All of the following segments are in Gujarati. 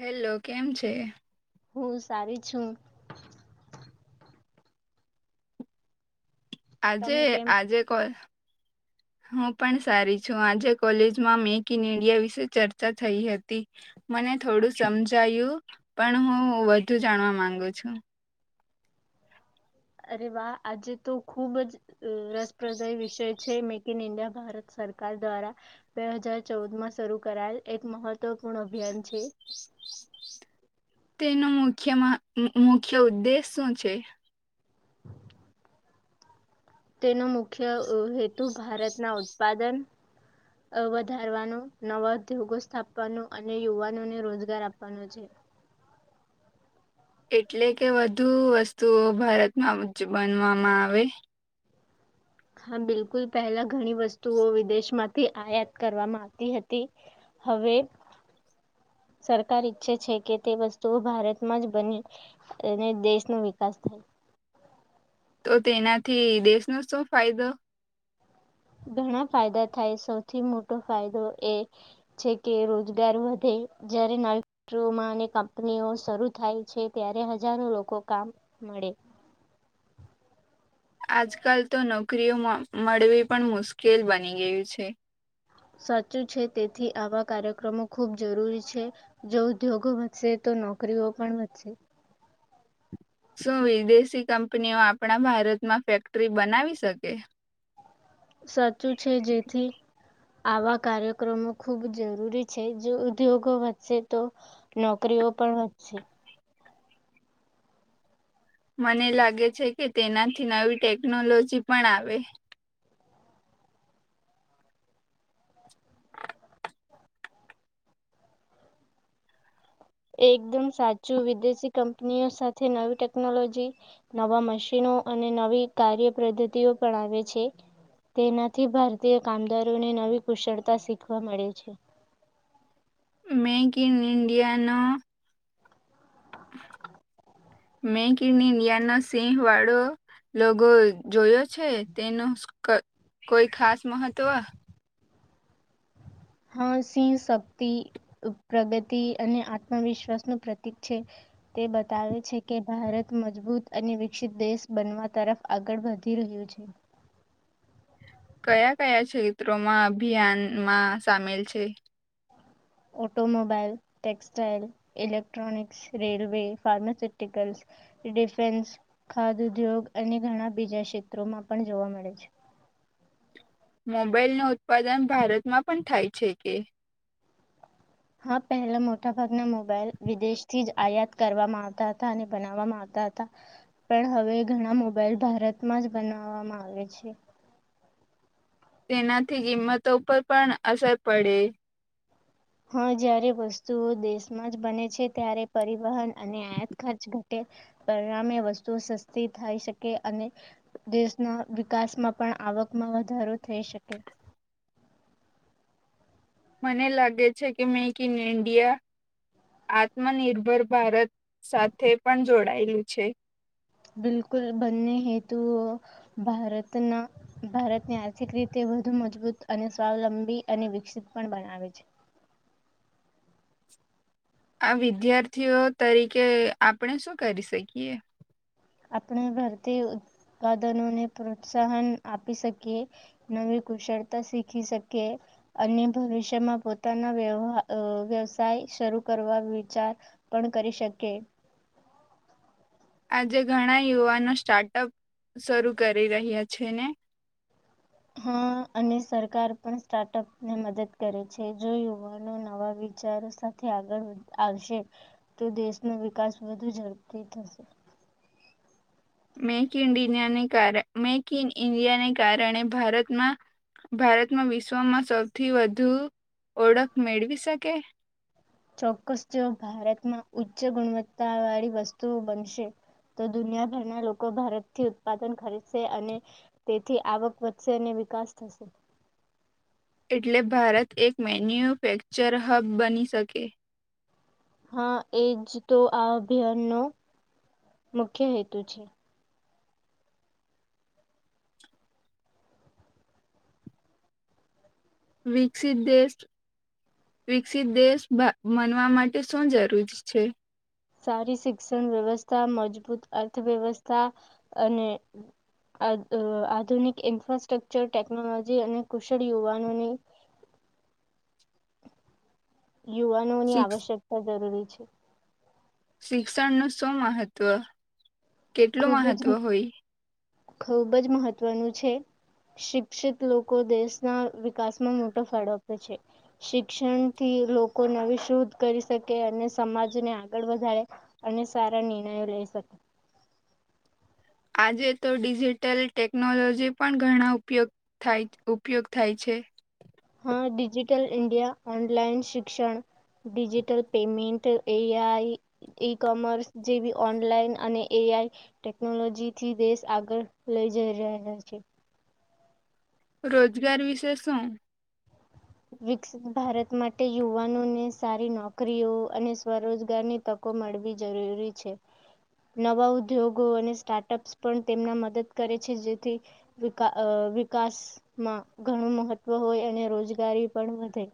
હેલો કેમ છે હું સારી છું આજે તમે કેમ આજે કોણ હું પણ સારી છું આજે કોલેજમાં મેક ઈન ઈન્ડિયા વિશે ચર્ચા થઈ હતી મને થોડું સમજાયું પણ હું વધુ જાણવા માંગુ છું અરે વાહ આજે તો ખુબ જ રસપ્રદાય વિષય છે મેક ઇન ઇન્ડિયા ભારત સરકાર દ્વારા બે હજાર ચૌદ માં શરૂ કરાયેલ એક મહત્વપૂર્ણ અભિયાન છે તેનો મુખ્ય મુખ્ય ઉદ્દેશ શું છે તેનો મુખ્ય હેતુ ભારતના ઉત્પાદન વધારવાનો નવા ઉદ્યોગો સ્થાપવાનો અને યુવાનોને રોજગાર આપવાનો છે એટલે કે વધુ વસ્તુઓ ભારતમાં બનવામાં આવે હા બિલકુલ પહેલા ઘણી વસ્તુઓ વિદેશમાંથી આયાત કરવામાં આવતી હતી હવે સરકાર ઈચ્છે છે કે તે વસ્તુઓ ભારતમાં જ બની અને દેશનો વિકાસ થાય તો તેનાથી દેશનો શું ફાયદો ઘણા ફાયદા થાય સૌથી મોટો ફાયદો એ છે કે રોજગાર વધે જ્યારે નવી ફમાં અને કંપનીઓ શરૂ થાય છે ત્યારે હજારો લોકો કામ મળે આજકાલ તો નોકરીઓ મળવી પણ મુશ્કેલ બની ગયું છે સાચું છે તેથી આવા કાર્યક્રમો ખૂબ જરૂરી છે જો ઉદ્યોગો વધશે તો નોકરીઓ પણ વધશે શું વિદેશી કંપનીઓ આપણા ભારતમાં ફેક્ટરી બનાવી શકે સાચું છે જેથી આવા કાર્યક્રમો ખૂબ જરૂરી છે જો ઉદ્યોગો વધશે તો નોકરીઓ પણ વધશે મને લાગે છે કે તેનાથી નવી ટેકનોલોજી પણ આવે એકદમ સાચું વિદેશી કંપનીઓ સાથે નવી ટેકનોલોજી નવા મશીનો અને નવી કાર્યપદ્ધતિઓ પણ આવે છે તેનાથી ભારતીય કામદારોને નવી કુશળતા શીખવા મળે છે મેક ઇન ઇન્ડિયાનું મેક ઇન ઇન્ડિયા ના સિંહ વાળો લોકોગો જોયો છે તેનો કોઈ ખાસ મહત્વ હા સિંહ શક્તિ પ્રગતિ અને આત્મવિશ્વાસનુંું પ્રતીિક છે તે બતાવે છે કે ભારત મજબૂત અને વિકસિત દેશ બનવા તરફ આગળ વધી રહ્યું છે કયા કયા ક્ષેત્રોમાં અભિયાનમાં સામેલ છે automobile textile electronics railway pharmaceuticals defence ખાદ ઉદ્યોગ અને ઘણા બીજા ક્ષેત્રોમાં પણ જોવા મળે છે મોબાઈલ ન ઉત્પાદન ભારતમાં પણ થાય છે કે હા પહેલા મોટા ભાગના મોબાઈલ વિદેશ થી જ આયાત કરવામાં આવતા હતા અને બનાવવામાં આવતા હતા પણ હવે ઘણા મોબાઈલ ભારતમાં જ બનાવવામાં આવે છે તેનાથી કિંમતો પર પણ અસર પડે હા જારે વસ્તુઓ દેશમાં જ બને છે ત્યારે પરિવહન અને આયાત ખર્ચ ઘટે પરિણામે વસ્તુઓ સસ્તી થઈ શકે અને દેશના વિકાસમાં પણ આવકમાં વધારો થઈ શકે મને લાગે છે કે મેક ઇન ઇન્ડિયા આત્મનિર્ભર ભારત સાથે પણ જોડાયેલું છે બિલકુલ બંને હેતુઓ ભારતની આર્થિક રીતે વધુ મજબૂત અને સ્વાવલંબી અને વિકસિત પણ બનાવે છે આ વિદ્યાર્થીઓ તરીકે આપણે શું કરી શકીએ આપણે ભરતી ઉત્પાદનોને પ્રોત્સાહન આપી શકીએ નવી કુશળતા શીખી શકીએ અને ભવિષ્યમાં પોતાના વ્યવહ વ્યવસાય શરૂ કરવા વિચાર પણ કરી શકે આજે ઘણા યુવાનો સ્ટાર્ટઅપ શરૂ કરી રહ્યા છે ને હા અને સરકાર પણ સ્ટાર્ટઅપ ને મદદ કરે છે જો યુવાનો નવા વિચારો સાથે આગળ આવશે તો દેશનો વિકાસ વધુ ઝડપી થશે મેક ઇન મેક ઇન ઈન્ડિયાને કારણેમાં ભારતમાં વિશ્વમાં સૌથી વધુ ઓળખ મેળવી શકે ચોક્કસ જો ભારતમાં ઉચ્ચ ગુણવત્તા વાળી વસ્તુઓ બનશે તો દુનિયાભરના લોકો ભારતથી ઉત્પાદન ખરીદશે અને તેથી આવક વધશે અને વિકાસ થશે એટલે ભારત એક મેન્યુફેક્ચર હબ બની શકે હા એજ તો આ અભિયાન નો મુખ્ય હેતુ છે વિકસિત દેશ વિકસિત દેશ બનવા માટે શું જરૂરી છે સારી શિક્ષણ વ્યવસ્થા મજબૂત અર્થવ્યવસ્થા અને આધુનિક ઇન્ફ્રાસ્ટ્રક્ચર ટેકનોલોજી અને કુશળ યુવાનોની યુવાનો ની શિક્ષ- આવશ્યકતા જરૂરી છે [inaudible] શિક્ષણનું શું મહત્વ કેટલું ખૂબ જ મહત્વ હોય. ખૂબ જ મહત્વનું છે શિક્ષિત લોકો દેશના વિકાસમાં મોટો ફાળો આપે છે શિક્ષણથી લોકો નવી શોધ કરી શકે અને સમાજને આગળ વધારે અને સારા નિર્ણયો લઈ શકે આજે તો ડિજિટલ ટેકનોલોજી પણ ઘણા ઉપયોગ થાય ઉપયોગ થાય છે. માં ડિજિટલ ઈન્ડિયા ઓનલાઈન શિક્ષણ digital payment A I e commerce જેવી ઓનલાઈન અને એ આઈ ટેકનોલોજીથી દેશ આગળ લઈ જઈ રહ્યા છે. રોજગાર વિશે શું વિકસિત ભારત માટે યુવાનોને સારી નોકરીઓ અને સ્વરોજગારની તકો મળવી જરૂરી છે નવા ઉદ્યોગો અને સ્ટાર્ટઅપ્સ પણ તેમના મદદ કરે છે જેથી વિકા અ વિકાસમાં ઘણું મહત્વ હોય અને રોજ ગારી પણ વધે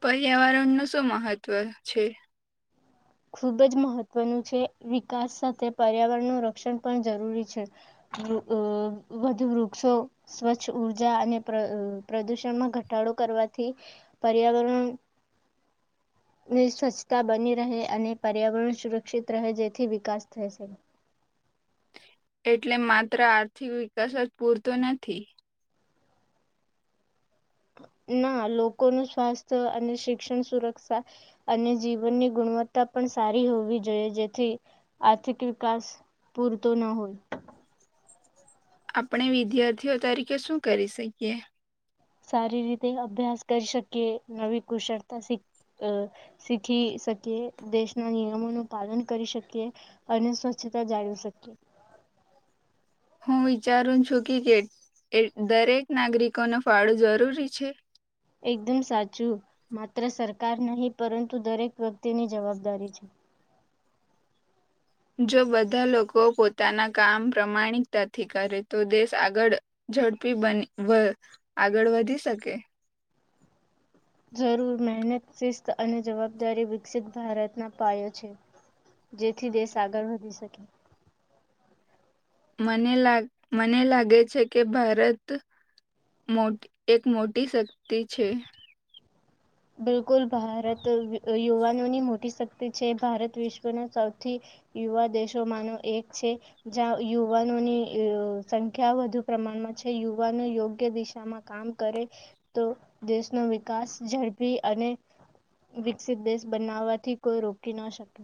પર્યાવરણનું શું મહત્ત્વ છે. ખૂબજ મહત્વનું છે વિકાસ સાથે પર્યાવરણનું રક્ષણ પણ જરૂરી છે વૃ અ વધુ વૃક્ષો સ્વચ્છ ઉર્જા અને પ્ર અ પ્રદૂષણમાં ઘટાડો કરવાથી પર્યાવરણ ની સ્વચ્છતા બની રહે અને પર્યાવરણ સુરક્ષિત રહે જેથી વિકાસ થશે એટલે માત્ર આર્થિક વિકાસ જ પૂરતો નથી. ના લોકોનું સ્વાસ્થ્ય અને શિક્ષણ સુરક્ષા અને જીવનની ગુણવત્તા પણ સારી હોવી જોઈએ જેથી આર્થિક વિકાસ પૂરતો ન હોય. આપણે વિદ્યાર્થીઓ તરીકે શું કરી શકીએ. સારી રીતે અભ્યાસ કરી શકીએ નવી કુશળતા શીખ અ શીખી શકીએ દેશના નિયમોનું પાલન કરી શકીએ અને સ્વચ્છતા જાળવી શકીએ. હું વિચારું છું કે કે દરેક નાગરિકોનો ફાળો જરૂરી છે. એકદમ સાચું માત્ર સરકાર નહીં પરંતુ દરેક વ્યક્તિની જવાબદારી છે. જો બધા લોકો પોતાના કામ પ્રમાણિકતાથી કરે તો દેશ આગળ ઝડપી બન વ આગળ વધી શકે. જરૂર મહેનત શિસ્ત અને જવાબદારી વિકસિત ભારતના પાયો છે જેથી દેશ આગળ વધી શકે. મને લાગ મને લાગે છે કે ભારત મોટી એક મોટી શક્તિ છે. બિલકુલ ભારત યુ યુવાનોની મોટી શક્તિ છે ભારત વિશ્વના સૌથી યુવા દેશોમાંનો એક છે જ્યાં યુવાનોની સંખ્યા વધુ પ્રમાણમાં છે યુવાનો યોગ્ય દિશામાં કામ કરે તો દેશનો વિકાસ ઝડ પી અને વિકસિત દેશ બનાવવાથી કોઈ રોકી ન શકે.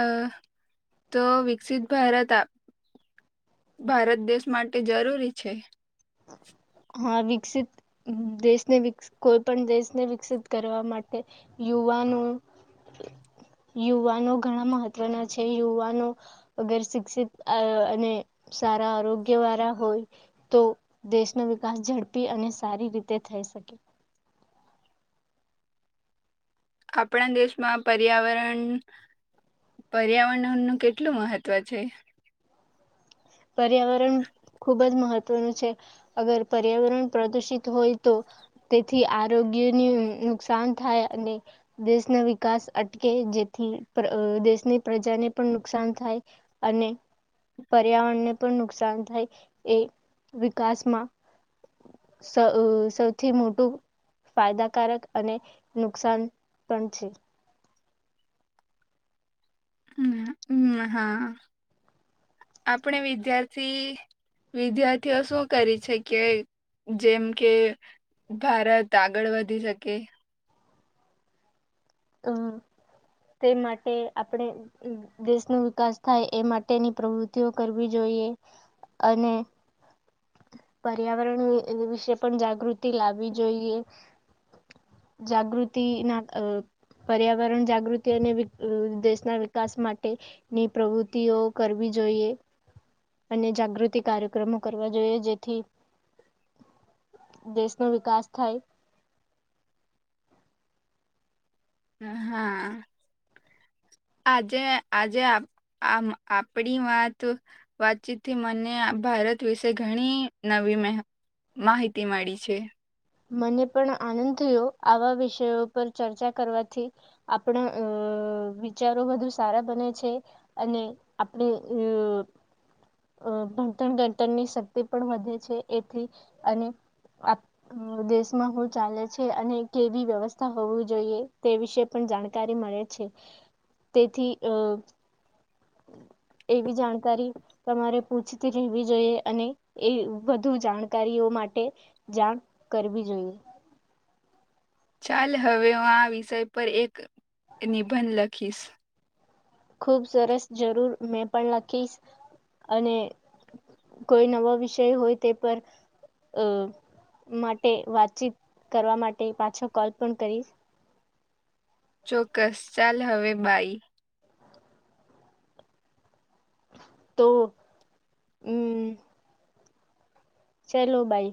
અ તો વિકસિત ભારત આપ ભારત દેશ માટે જરૂરી છે. હા વિકસિત દેશને વિક કોઈપણ દેશને વિકસિત કરવા માટે યુવાનો યુવાનો ઘણા મહત્વના છે યુવાનો અગર શિક્ષિત અર અને સારા આરોગ્ય વાળા હોય તો દેશ નો વિકાસ ઝડપી અને સારી રીતે થઈ શકે. આપણા દેશમાં પર્યાવરણ પર્યાવરણનું નુ કેટલું મહત્વ છે. પર્યાવરણ ખુબ જ મહત્વનું છે અગર પર્યાવરણ પ્રદુષિત હોય તો તેથી આરોગ્યને નુકસાન થાય અને દેશના વિકાસ અટકે જેથી પ્ર અ દેશની પ્રજાને પણ નુકસાન થાય અને પર્યાવરણને પણ નુકસાન થાય એ વિકાસમાં સૌ અ સૌથી મોટું ફાયદાકારક અને નુકસાન પણ છે. હમ હમ હા આપણે વિદ્યાર્થી વિદ્યાર્થીઓ શું કરી છે કે જેમ કે ભારત આગળ વધી શકે અમ તે માટે આપણે દેશનો વિકાસ થાય એ માટેની પ્રવૃતિઓ કરવી જોઈએ અને પર્યાવરણ વિ વિવિશે પણ જાગૃતિ લાવવી જોઈએ જાગૃતિ ના અ પર્યાવરણ જાગૃતિ અને વિ અ દેશના વિકાસ માટેની પ્રવૃત્તિઓ કરવી જોઈએ. અને જાગૃતિ કાર્યક્રમો કરવા જોઈએ જેથી દેશનો વિકાસ થાય. હા આજે આજે આમ આપડી વાત વાતચીતથી મને આ ભારત વિશે ઘણી નવી મેહ માહિતી મળી છે. મને પણ આનંદ થયો આવા વિષયો પર ચર્ચા કરવાથી આપણા અ વિચારો વધુ સારા બને છે અને આપણે અ ભણતણ ગણતણની શક્તિ પણ વધે છે એથી અને આપ દેશમાં હું ચાલે છે અને કેવી વ્યવસ્થા હોવી જોઈએ તે વિશે પણ જાણકારી મળે છે તેથી અ એવી જાણકારી તમારે પૂછતી રેહેવી જોઈએ અને એ વધુ જાણકારીઓ માટે જાણ કરવી જોઈએ. ચાલ હવે હું આ વિષય પર એક નિબંધ લખીશ ખુબ સરસ જરૂર મેં પણ લખીશ અને કોઈ નવો વિષય હોય તે પર અ માટે વાતચીત કરવા માટે પાછો કોલ પણ કરીશ. ચોક્કસ ચાલ હવે બાઈ તો અમ ચાલો બાઈ